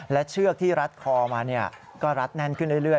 และเชือกที่รัดคอมาก็รัดแน่นขึ้นเรื่อย